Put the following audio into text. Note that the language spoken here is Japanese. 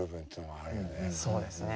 そうですね。